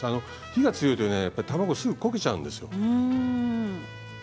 火が強いと、やっぱり卵がすぐ焦げてしまうんですよね。